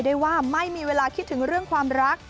ได้ว่าไม่มีเวลาคิดถึงเรื่องความรัก